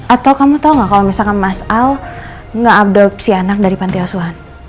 atau kamu tau gak kalau mas al ngeadopsi anak dari panti asuhan